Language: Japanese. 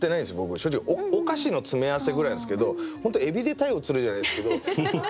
正直お菓子の詰め合わせぐらいなんですけど本当エビでタイを釣るじゃないですけど。